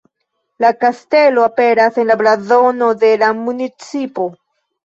La kastelo aperas en la blazono de la municipo.